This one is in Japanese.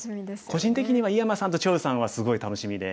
個人的には井山さんと張栩さんはすごい楽しみで。